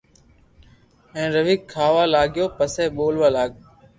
ھين روي کاھ وا لاگيو پسي ٻولئا لاگآو